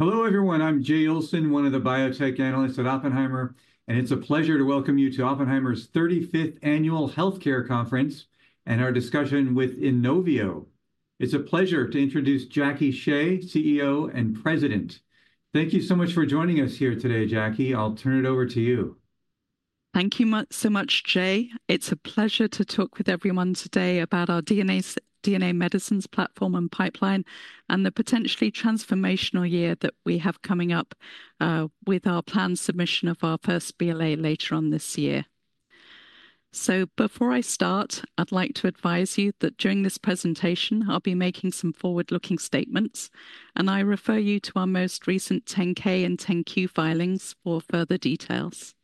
Hello, everyone. I'm Jay Olson, one of the biotech analysts at Oppenheimer, and it's a pleasure to welcome you to Oppenheimer's 35th Annual Healthcare Conference and our discussion with Inovio. It's a pleasure to introduce Jacqueline Shea, CEO and President. Thank you so much for joining us here today, Jacqueline. I'll turn it over to you. Thank you so much, Jay. It's a pleasure to talk with everyone today about our DNA Medicines platform and pipeline, and the potentially transformational year that we have coming up with our planned submission of our first BLA later on this year. Before I start, I'd like to advise you that during this presentation, I'll be making some forward-looking statements, and I refer you to our most recent 10-K and 10-Q filings for further details.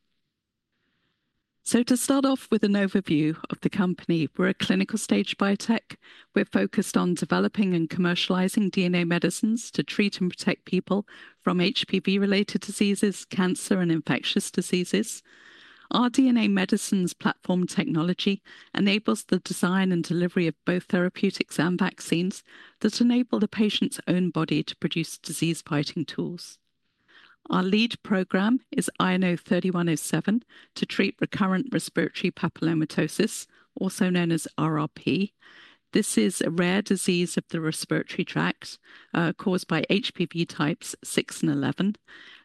To start off with an overview of the company, we're a clinical stage biotech. We're focused on developing and commercializing DNA medicines to treat and protect people from HPV-related diseases, cancer, and infectious diseases. Our DNA Medicines platform technology enables the design and delivery of both therapeutics and vaccines that enable the patient's own body to produce disease-fighting tools. Our lead program is INO-3107 to treat recurrent respiratory papillomatosis, also known as RRP. This is a rare disease of the respiratory tract caused by HPV types 6 and 11,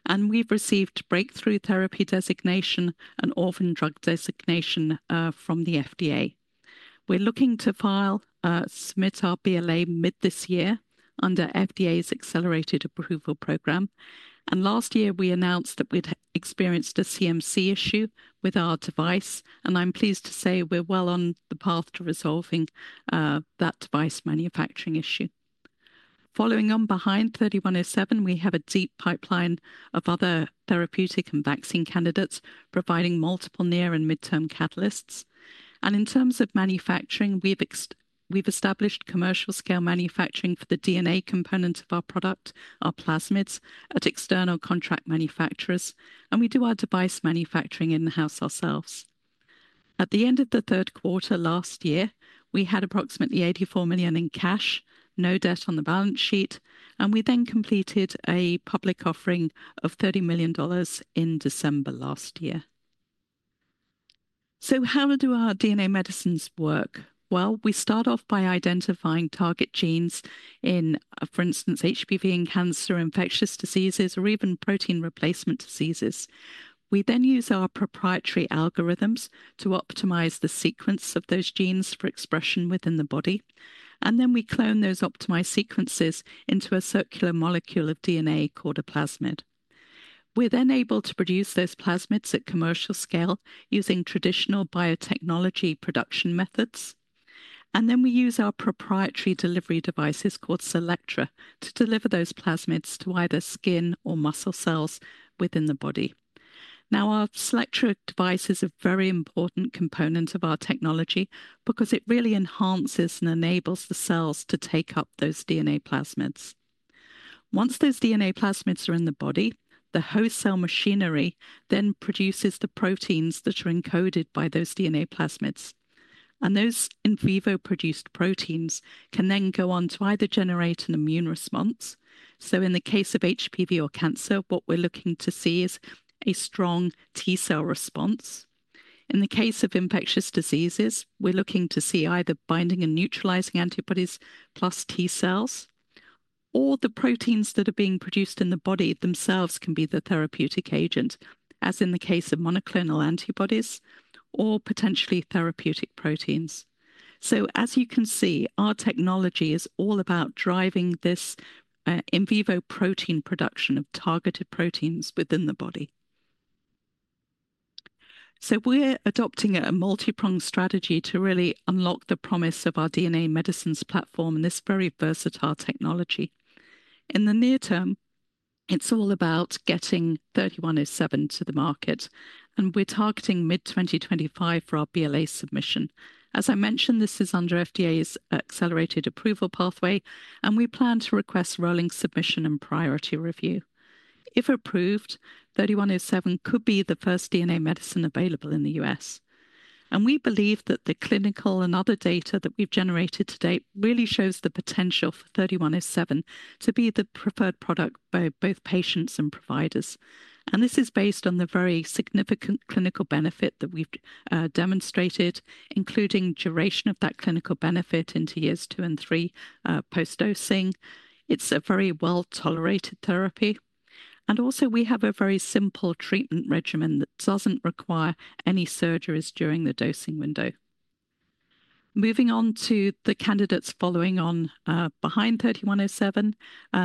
and we've received breakthrough therapy designation and orphan drug designation from the FDA. We're looking to file and submit our BLA mid this year under FDA's accelerated approval program. Last year, we announced that we'd experienced a CMC issue with our device, and I'm pleased to say we're well on the path to resolving that device manufacturing issue. Following on behind 3107, we have a deep pipeline of other therapeutic and vaccine candidates providing multiple near and midterm catalysts. In terms of manufacturing, we've established commercial scale manufacturing for the DNA component of our product, our plasmids, at external contract manufacturers, and we do our device manufacturing in-house ourselves. At the end of the third quarter last year, we had approximately $84 million in cash, no debt on the balance sheet, and we then completed a public offering of $30 million in December last year. How do our DNA medicines work? We start off by identifying target genes in, for instance, HPV and cancer, infectious diseases, or even protein replacement diseases. We then use our proprietary algorithms to optimize the sequence of those genes for expression within the body, and then we clone those optimized sequences into a circular molecule of DNA called a plasmid. We're then able to produce those plasmids at commercial scale using traditional biotechnology production methods, and then we use our proprietary delivery devices called Selectra to deliver those plasmids to either skin or muscle cells within the body. Now, our Selectra device is a very important component of our technology because it really enhances and enables the cells to take up those DNA plasmids. Once those DNA plasmids are in the body, the host cell machinery then produces the proteins that are encoded by those DNA plasmids, and those in vivo produced proteins can then go on to either generate an immune response. In the case of HPV or cancer, what we're looking to see is a strong T cell response. In the case of infectious diseases, we're looking to see either binding and neutralizing antibodies plus T cells, or the proteins that are being produced in the body themselves can be the therapeutic agent, as in the case of monoclonal antibodies or potentially therapeutic proteins. As you can see, our technology is all about driving this in vivo protein production of targeted proteins within the body. We're adopting a multi-pronged strategy to really unlock the promise of our DNA medicines platform and this very versatile technology. In the near term, it's all about getting 3107 to the market, and we're targeting mid 2025 for our BLA submission. As I mentioned, this is under FDA's accelerated approval pathway, and we plan to request rolling submission and priority review. If approved, 3107 could be the first DNA medicine available in the US, and we believe that the clinical and other data that we've generated to date really shows the potential for 3107 to be the preferred product by both patients and providers. This is based on the very significant clinical benefit that we've demonstrated, including duration of that clinical benefit into years two and three post-dosing. It's a very well-tolerated therapy, and also we have a very simple treatment regimen that doesn't require any surgeries during the dosing window. Moving on to the candidates following on behind 3107,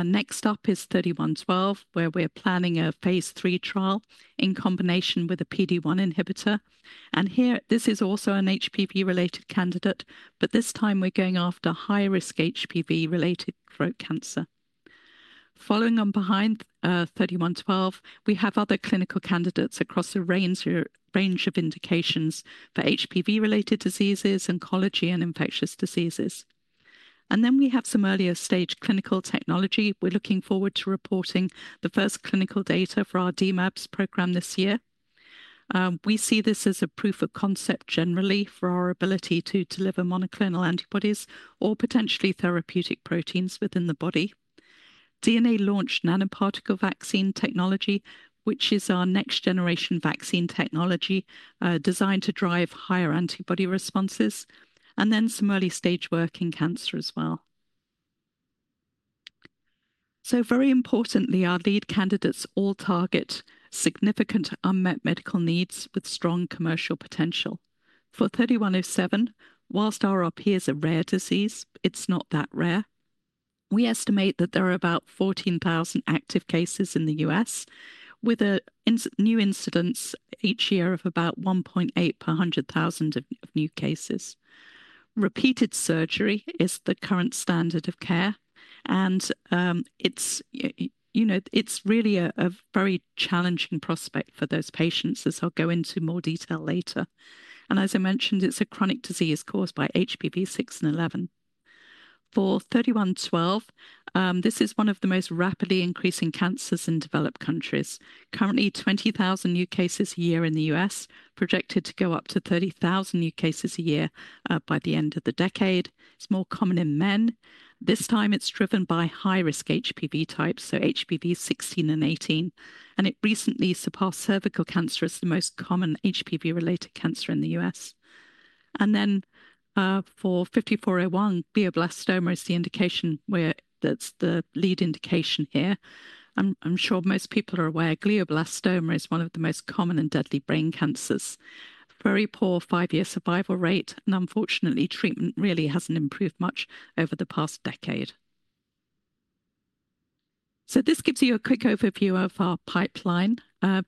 next up is 3112, where we're planning a phase three trial in combination with a PD-1 inhibitor. Here, this is also an HPV-related candidate, but this time we're going after high-risk HPV-related throat cancer. Following on behind 3112, we have other clinical candidates across a range of indications for HPV-related diseases, oncology, and infectious diseases. We have some earlier stage clinical technology. We're looking forward to reporting the first clinical data for our DMAB program this year. We see this as a proof of concept generally for our ability to deliver monoclonal antibodies or potentially therapeutic proteins within the body. DNA launched nanoparticle vaccine technology, which is our next generation vaccine technology designed to drive higher antibody responses, and then some early stage work in cancer as well. Very importantly, our lead candidates all target significant unmet medical needs with strong commercial potential. For 3107, whilst RRP is a rare disease, it's not that rare. We estimate that there are about 14,000 active cases in the US, with a new incidence each year of about 1.8 per 100,000 of new cases. Repeated surgery is the current standard of care, and you know, it's really a very challenging prospect for those patients, as I'll go into more detail later. As I mentioned, it's a chronic disease caused by HPV 6 and 11. For 3112, this is one of the most rapidly increasing cancers in developed countries. Currently, 20,000 new cases a year in the U.S., projected to go up to 30,000 new cases a year by the end of the decade. It's more common in men. This time, it's driven by high-risk HPV types, so HPV 16 and 18, and it recently surpassed cervical cancer as the most common HPV-related cancer in the US. For 5401, glioblastoma is the indication where that's the lead indication here. I'm sure most people are aware glioblastoma is one of the most common and deadly brain cancers. Very poor five-year survival rate, and unfortunately, treatment really hasn't improved much over the past decade. This gives you a quick overview of our pipeline.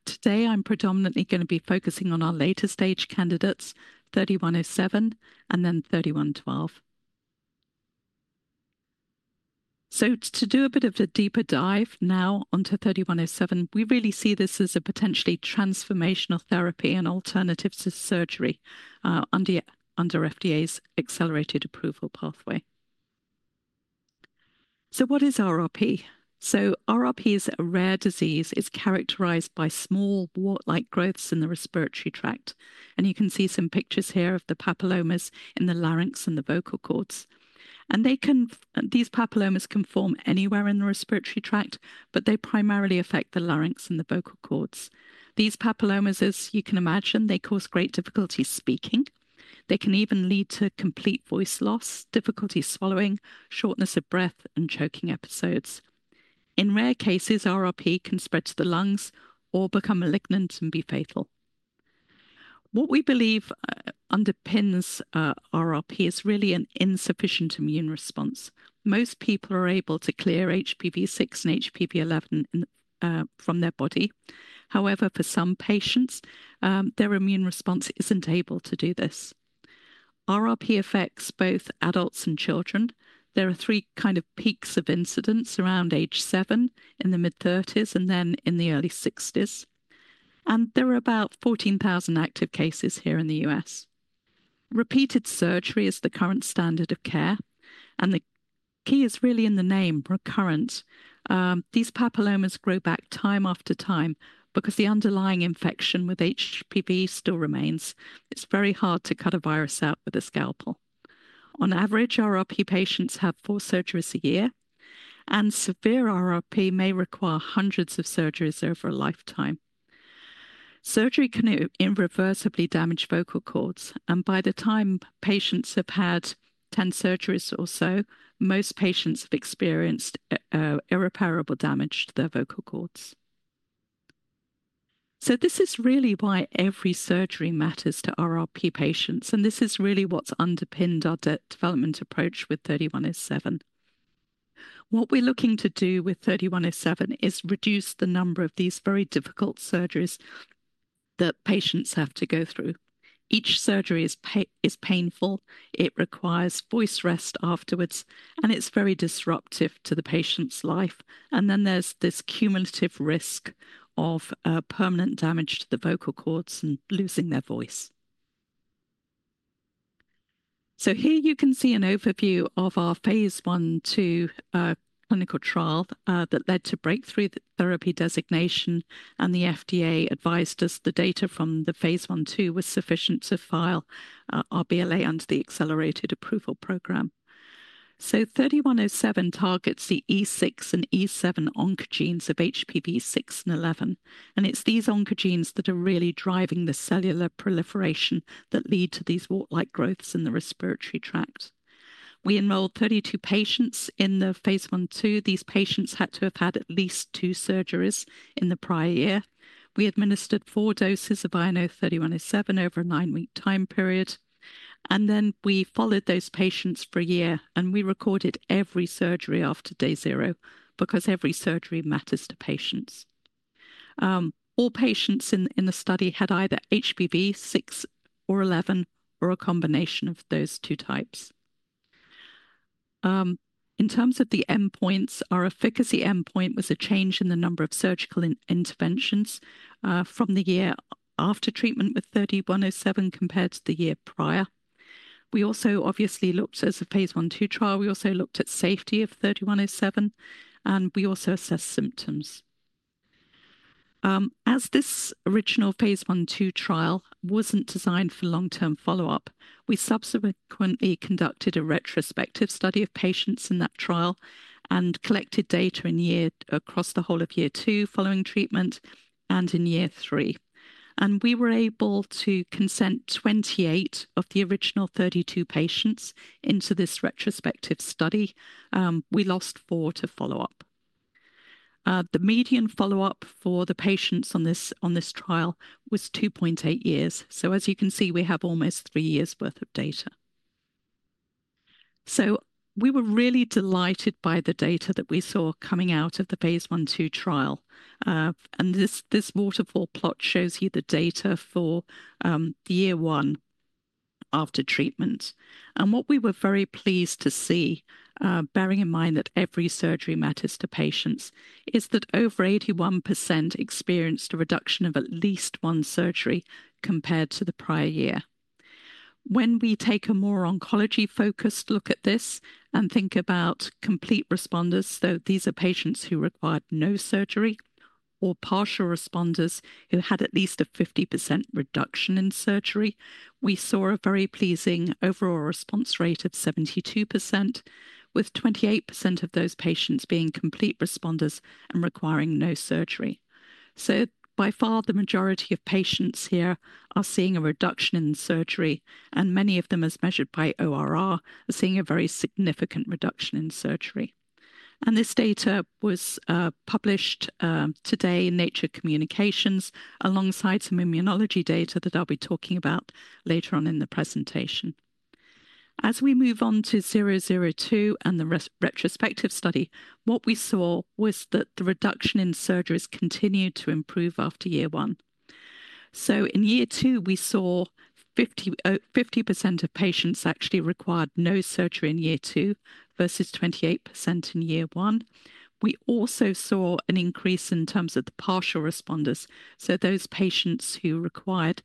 Today, I'm predominantly going to be focusing on our later stage candidates, 3107 and then 3112. To do a bit of a deeper dive now onto 3107, we really see this as a potentially transformational therapy and alternative to surgery under FDA's accelerated approval pathway. What is RRP? RRP is a rare disease. It is characterized by small wart-like growths in the respiratory tract. You can see some pictures here of the papillomas in the larynx and the vocal cords. These papillomas can form anywhere in the respiratory tract, but they primarily affect the larynx and the vocal cords. These papillomas, as you can imagine, cause great difficulty speaking. They can even lead to complete voice loss, difficulty swallowing, shortness of breath, and choking episodes. In rare cases, RRP can spread to the lungs or become malignant and be fatal. What we believe underpins RRP is really an insufficient immune response. Most people are able to clear HPV 6 and HPV 11 from their body. However, for some patients, their immune response isn't able to do this. RRP affects both adults and children. There are three kind of peaks of incidence around age seven, in the mid-30s, and then in the early 60s. There are about 14,000 active cases here in the US. Repeated surgery is the current standard of care, and the key is really in the name recurrent. These papillomas grow back time after time because the underlying infection with HPV still remains. It's very hard to cut a virus out with a scalpel. On average, RRP patients have four surgeries a year, and severe RRP may require hundreds of surgeries over a lifetime. Surgery can irreversibly damage vocal cords, and by the time patients have had 10 surgeries or so, most patients have experienced irreparable damage to their vocal cords. This is really why every surgery matters to RRP patients, and this is really what's underpinned our development approach with 3107. What we're looking to do with 3107 is reduce the number of these very difficult surgeries that patients have to go through. Each surgery is painful. It requires voice rest afterwards, and it's very disruptive to the patient's life. There is this cumulative risk of permanent damage to the vocal cords and losing their voice. Here you can see an overview of our phase one to clinical trial that led to breakthrough therapy designation, and the FDA advised us the data from the phase one to was sufficient to file our BLA under the accelerated approval program. INO-3107 targets the E6 and E7 oncogenes of HPV 6 and 11, and it's these oncogenes that are really driving the cellular proliferation that lead to these wart-like growths in the respiratory tract. We enrolled 32 patients in the phase one to. These patients had to have had at least two surgeries in the prior year. We administered four doses of INO-3107 over a nine-week time period, and then we followed those patients for a year, and we recorded every surgery after day zero because every surgery matters to patients. All patients in the study had either HPV 6 or 11 or a combination of those two types. In terms of the endpoints, our efficacy endpoint was a change in the number of surgical interventions from the year after treatment with INO-3107 compared to the year prior. We also obviously looked, as a phase one to trial, we also looked at safety of 3107, and we also assessed symptoms. As this original phase one to trial was not designed for long-term follow-up, we subsequently conducted a retrospective study of patients in that trial and collected data in year across the whole of year two following treatment and in year three. We were able to consent 28 of the original 32 patients into this retrospective study. We lost four to follow-up. The median follow-up for the patients on this trial was 2.8 years. You can see we have almost three years' worth of data. We were really delighted by the data that we saw coming out of the phase one to trial. This waterfall plot shows you the data for the year one after treatment. What we were very pleased to see, bearing in mind that every surgery matters to patients, is that over 81% experienced a reduction of at least one surgery compared to the prior year. When we take a more oncology-focused look at this and think about complete responders, these are patients who required no surgery, or partial responders who had at least a 50% reduction in surgery, we saw a very pleasing overall response rate of 72%, with 28% of those patients being complete responders and requiring no surgery. By far, the majority of patients here are seeing a reduction in surgery, and many of them, as measured by ORR, are seeing a very significant reduction in surgery. This data was published today in Nature Communications alongside some immunology data that I'll be talking about later on in the presentation. As we move on to 002 and the retrospective study, what we saw was that the reduction in surgeries continued to improve after year one. In year two, we saw 50% of patients actually required no surgery in year two versus 28% in year one. We also saw an increase in terms of the partial responders, so those patients who required,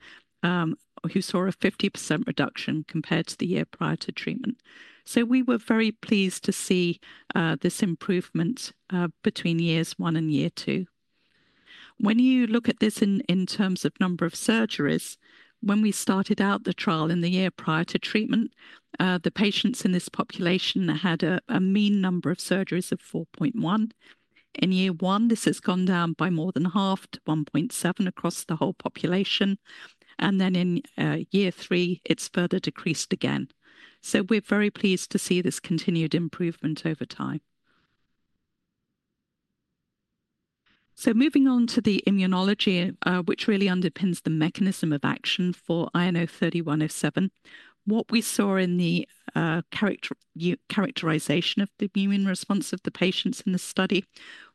who saw a 50% reduction compared to the year prior to treatment. We were very pleased to see this improvement between years one and year two. When you look at this in terms of number of surgeries, when we started out the trial in the year prior to treatment, the patients in this population had a mean number of surgeries of 4.1. In year one, this has gone down by more than half to 1.7 across the whole population. In year three, it's further decreased again. We are very pleased to see this continued improvement over time. Moving on to the immunology, which really underpins the mechanism of action for INO-3107, what we saw in the characterization of the immune response of the patients in the study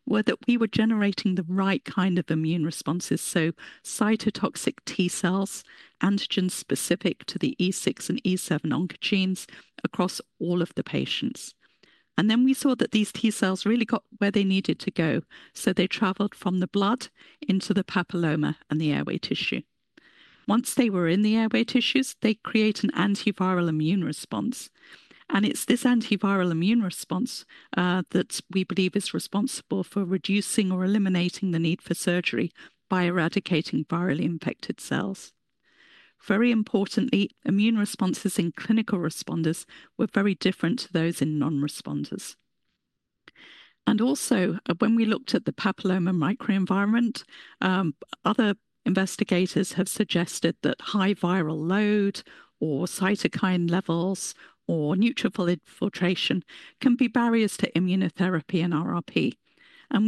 was that we were generating the right kind of immune responses, so cytotoxic T cells, antigen specific to the E6 and E7 oncogenes across all of the patients. We saw that these T cells really got where they needed to go. They traveled from the blood into the papilloma and the airway tissue. Once they were in the airway tissues, they create an antiviral immune response. It is this antiviral immune response that we believe is responsible for reducing or eliminating the need for surgery by eradicating virally infected cells. Very importantly, immune responses in clinical responders were very different to those in non-responders. Also, when we looked at the papilloma microenvironment, other investigators have suggested that high viral load or cytokine levels or neutrophil infiltration can be barriers to immunotherapy and RRP.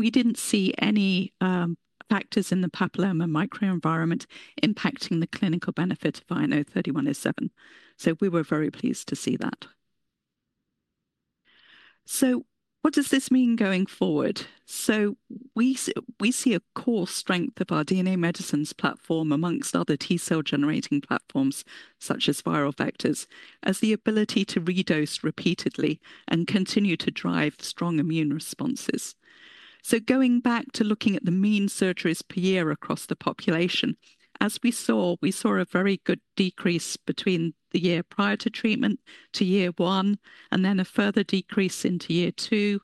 We did not see any factors in the papilloma microenvironment impacting the clinical benefit of INO-3107. We were very pleased to see that. What does this mean going forward? We see a core strength of our DNA Medicines platform among other T cell generating platforms, such as viral vectors, as the ability to redose repeatedly and continue to drive strong immune responses. Going back to looking at the mean surgeries per year across the population, as we saw, we saw a very good decrease between the year prior to treatment to year one, and then a further decrease into year two.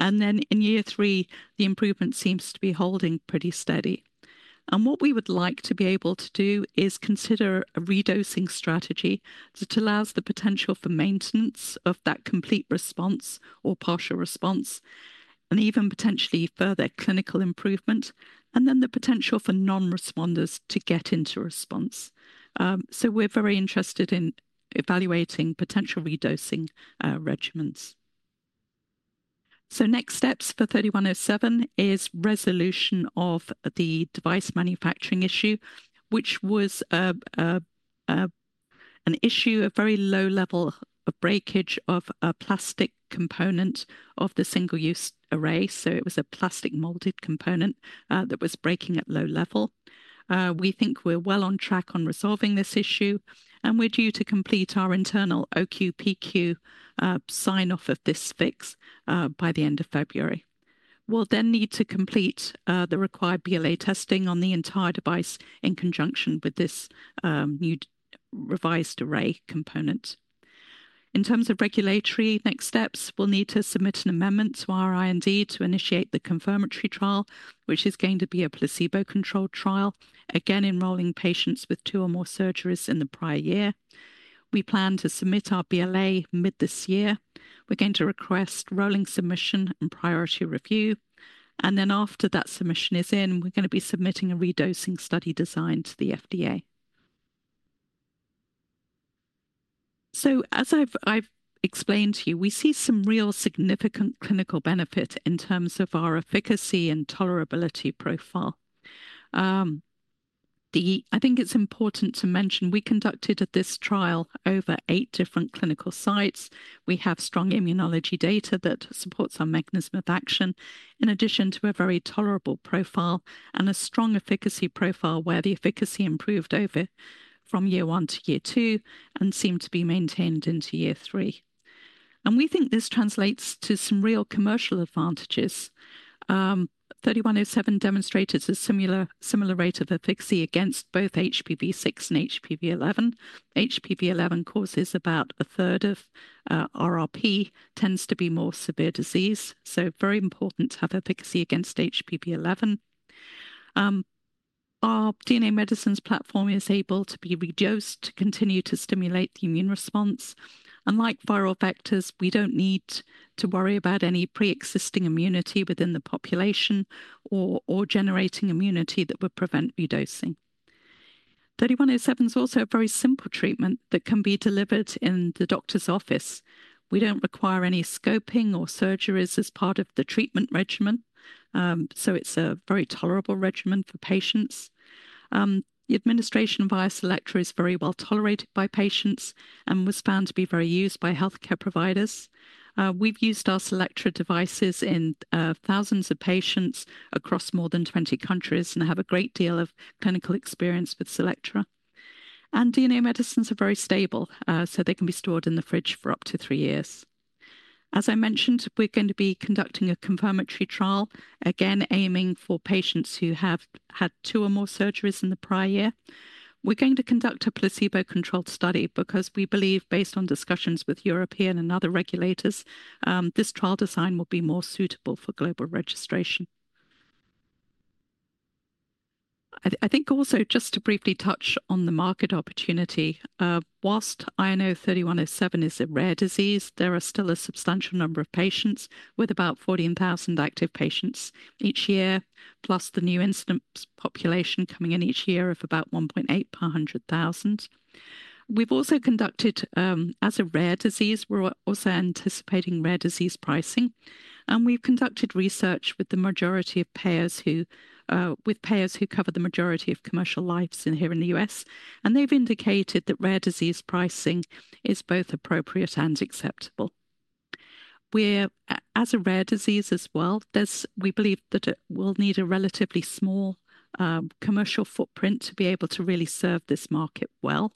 In year three, the improvement seems to be holding pretty steady. What we would like to be able to do is consider a redosing strategy that allows the potential for maintenance of that complete response or partial response, and even potentially further clinical improvement, and the potential for non-responders to get into response. We are very interested in evaluating potential redosing regimens. Next steps for 3107 is resolution of the device manufacturing issue, which was an issue, a very low level of breakage of a plastic component of the single-use array. It was a plastic molded component that was breaking at low level. We think we are well on track on resolving this issue, and we are due to complete our internal OQPQ sign-off of this fix by the end of February. We'll then need to complete the required BLA testing on the entire device in conjunction with this new revised array component. In terms of regulatory next steps, we'll need to submit an amendment to our IND to initiate the confirmatory trial, which is going to be a placebo-controlled trial, again enrolling patients with two or more surgeries in the prior year. We plan to submit our BLA mid this year. We're going to request rolling submission and priority review. After that submission is in, we're going to be submitting a redosing study designed to the FDA. As I've explained to you, we see some real significant clinical benefit in terms of our efficacy and tolerability profile. I think it's important to mention we conducted this trial over eight different clinical sites. We have strong immunology data that supports our mechanism of action, in addition to a very tolerable profile and a strong efficacy profile where the efficacy improved over from year one to year two and seemed to be maintained into year three. We think this translates to some real commercial advantages. INO-3107 demonstrated a similar rate of efficacy against both HPV 6 and HPV 11. HPV 11 causes about a third of RRP, tends to be more severe disease. Very important to have efficacy against HPV 11. Our DNA Medicines platform is able to be redosed to continue to stimulate the immune response. Unlike viral vectors, we do not need to worry about any pre-existing immunity within the population or generating immunity that would prevent redosing. INO-3107 is also a very simple treatment that can be delivered in the doctor's office. We don't require any scoping or surgeries as part of the treatment regimen. It is a very tolerable regimen for patients. The administration via Selectra is very well tolerated by patients and was found to be very easy to use by healthcare providers. We've used our Selectra devices in thousands of patients across more than 20 countries and have a great deal of clinical experience with Selectra. DNA Medicines are very stable, so they can be stored in the fridge for up to three years. As I mentioned, we're going to be conducting a confirmatory trial, again aiming for patients who have had two or more surgeries in the prior year. We're going to conduct a placebo-controlled study because we believe, based on discussions with European and other regulators, this trial design will be more suitable for global registration. I think also just to briefly touch on the market opportunity, whilst INO-3107 is a rare disease, there are still a substantial number of patients with about 14,000 active patients each year, plus the new incidence population coming in each year of about 1.8 per 100,000. We've also conducted, as a rare disease, we're also anticipating rare disease pricing. We've conducted research with payers who cover the majority of commercial lives here in the US. They've indicated that rare disease pricing is both appropriate and acceptable. As a rare disease as well, we believe that we'll need a relatively small commercial footprint to be able to really serve this market well.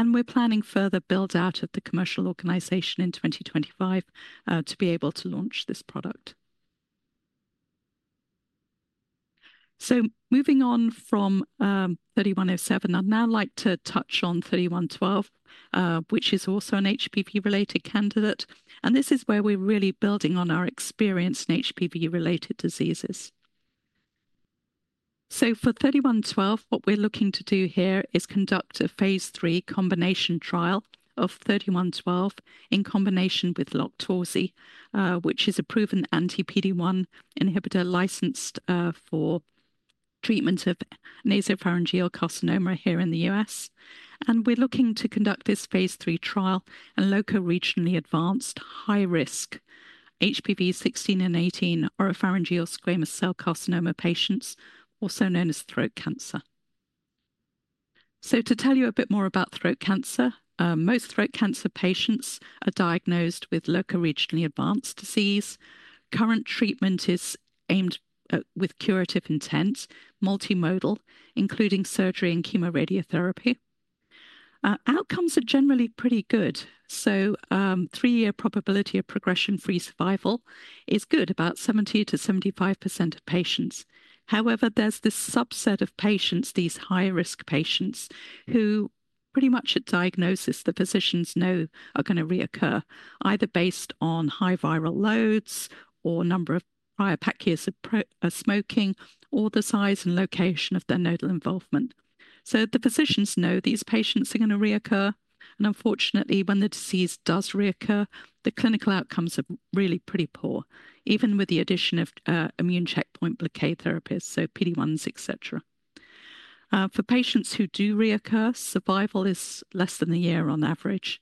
We're planning further build-out of the commercial organization in 2025 to be able to launch this product. Moving on from 3107, I'd now like to touch on 3112, which is also an HPV-related candidate. This is where we're really building on our experience in HPV-related diseases. For 3112, what we're looking to do here is conduct a phase three combination trial of 3112 in combination with LOQTORZI, which is a proven anti-PD-1 inhibitor licensed for treatment of nasopharyngeal carcinoma here in the US. We're looking to conduct this phase three trial in local, regionally advanced, high-risk HPV 16 and 18 oropharyngeal squamous cell carcinoma patients, also known as throat cancer. To tell you a bit more about throat cancer, most throat cancer patients are diagnosed with local, regionally advanced disease. Current treatment is aimed with curative intent, multimodal, including surgery and chemoradiotherapy. Outcomes are generally pretty good. Three-year probability of progression-free survival is good, about 70-75% of patients. However, there's this subset of patients, these high-risk patients, who pretty much at diagnosis the physicians know are going to reoccur, either based on high viral loads or number of prior pack years of smoking or the size and location of their nodal involvement. The physicians know these patients are going to reoccur. Unfortunately, when the disease does reoccur, the clinical outcomes are really pretty poor, even with the addition of immune checkpoint blockade therapies, so PD-1s, et cetera. For patients who do reoccur, survival is less than a year on average.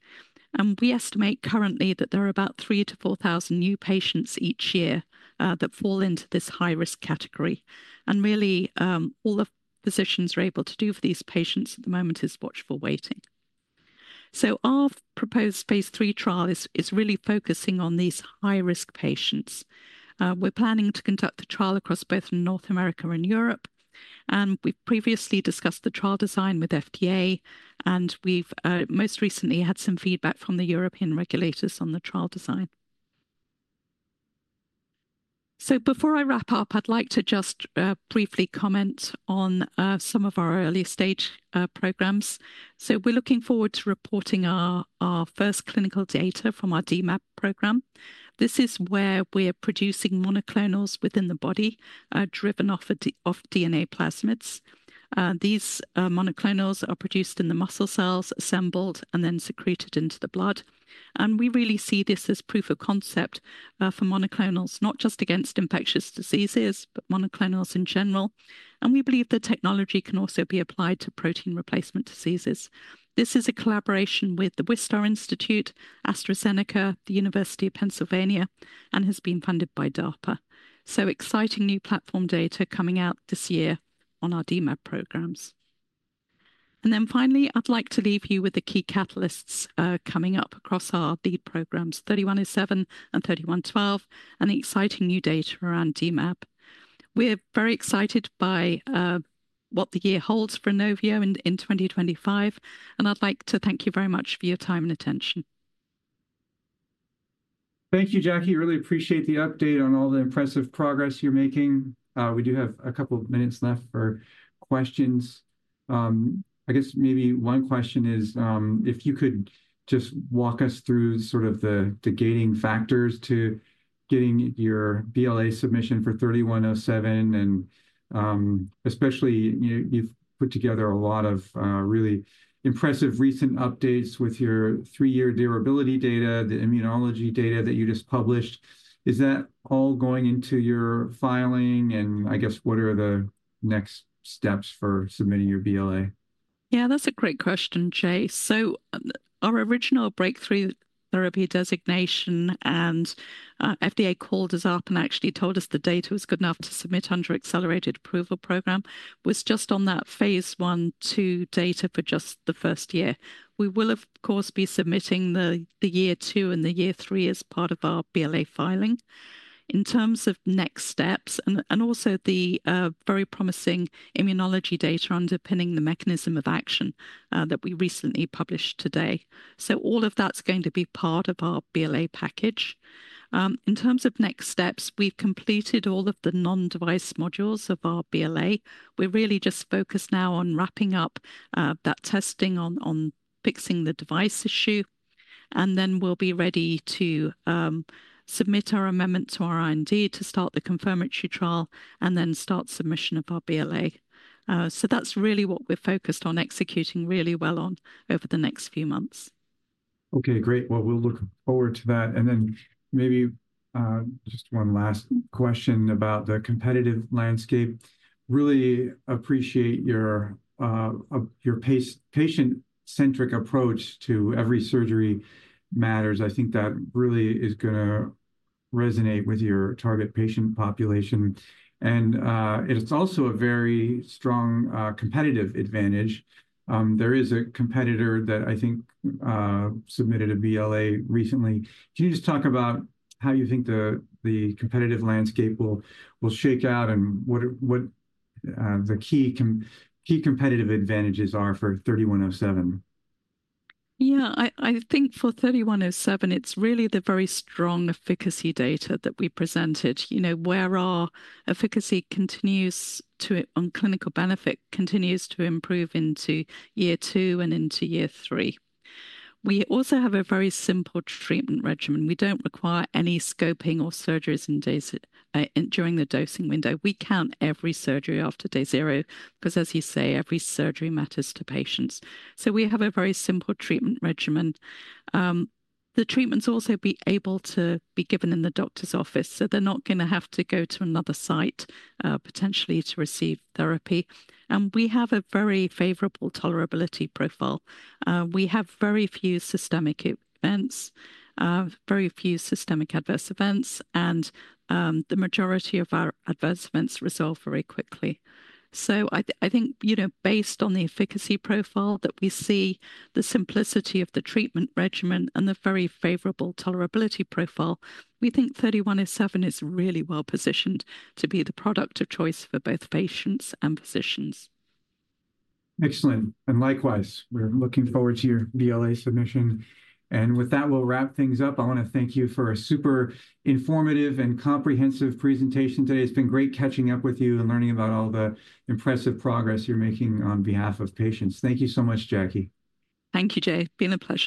We estimate currently that there are about 3,000-4,000 new patients each year that fall into this high-risk category. Really, all the physicians are able to do for these patients at the moment is watchful waiting. Our proposed phase three trial is really focusing on these high-risk patients. We're planning to conduct the trial across both North America and Europe. We've previously discussed the trial design with FDA. We've most recently had some feedback from the European regulators on the trial design. Before I wrap up, I'd like to just briefly comment on some of our early stage programs. We're looking forward to reporting our first clinical data from our DMAB program. This is where we're producing monoclonals within the body, driven off of DNA plasmids. These monoclonals are produced in the muscle cells, assembled, and then secreted into the blood. We really see this as proof of concept for monoclonals, not just against infectious diseases, but monoclonals in general. We believe the technology can also be applied to protein replacement diseases. This is a collaboration with the Wistar Institute, AstraZeneca, the University of Pennsylvania, and has been funded by DARPA. Exciting new platform data coming out this year on our DMAB programs. Finally, I'd like to leave you with the key catalysts coming up across our lead programs, 3107 and 3112, and the exciting new data around DMAB. We're very excited by what the year holds for Inovio in 2025. I'd like to thank you very much for your time and attention. Thank you, Jackie. Really appreciate the update on all the impressive progress you're making. We do have a couple of minutes left for questions. I guess maybe one question is if you could just walk us through sort of the gating factors to getting your BLA submission for 3107. Especially, you've put together a lot of really impressive recent updates with your three-year durability data, the immunology data that you just published. Is that all going into your filing? I guess, what are the next steps for submitting your BLA? Yeah, that's a great question, Jay. Our original breakthrough therapy designation and FDA called us up and actually told us the data was good enough to submit under accelerated approval program was just on that phase one two data for just the first year. We will, of course, be submitting the year two and the year three as part of our BLA filing. In terms of next steps and also the very promising immunology data underpinning the mechanism of action that we recently published today. All of that's going to be part of our BLA package. In terms of next steps, we've completed all of the non-device modules of our BLA. We're really just focused now on wrapping up that testing on fixing the device issue. Then we'll be ready to submit our amendment to our IND to start the confirmatory trial and then start submission of our BLA. That is really what we're focused on executing really well on over the next few months. Great. We'll look forward to that. Maybe just one last question about the competitive landscape. Really appreciate your patient-centric approach to every surgery matters. I think that really is going to resonate with your target patient population. It is also a very strong competitive advantage. There is a competitor that I think submitted a BLA recently. Can you just talk about how you think the competitive landscape will shake out and what the key competitive advantages are for 3107? Yeah, I think for 3107, it's really the very strong efficacy data that we presented. Where our efficacy continues to, on clinical benefit, continues to improve into year two and into year three. We also have a very simple treatment regimen. We do not require any scoping or surgeries during the dosing window. We count every surgery after day zero because, as you say, every surgery matters to patients. We have a very simple treatment regimen. The treatments also are able to be given in the doctor's office. They are not going to have to go to another site potentially to receive therapy. We have a very favorable tolerability profile. We have very few systemic events, very few systemic adverse events, and the majority of our adverse events resolve very quickly. I think, based on the efficacy profile that we see, the simplicity of the treatment regimen and the very favorable tolerability profile, we think 3107 is really well positioned to be the product of choice for both patients and physicians. Excellent. Likewise, we're looking forward to your BLA submission. With that, we'll wrap things up. I want to thank you for a super informative and comprehensive presentation today. It's been great catching up with you and learning about all the impressive progress you're making on behalf of patients. Thank you so much, Jackie. Thank you, Jay. Been a pleasure.